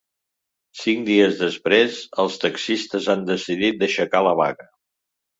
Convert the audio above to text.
Cinc dies després, els taxistes han decidit d’aixecar la vaga.